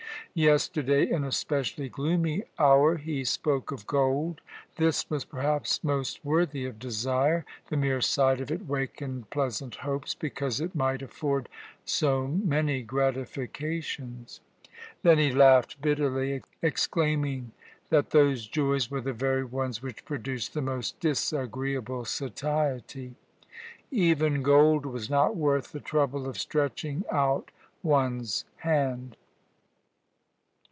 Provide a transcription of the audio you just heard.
Yesterday in a specially gloomy hour, he spoke of gold. This was perhaps most worthy of desire. The mere sight of it awakened pleasant hopes, because it might afford so many gratifications. Then he laughed bitterly, exclaiming that those joys were the very ones which produced the most disagreeable satiety. Even gold was not worth the trouble of stretching out one's hand.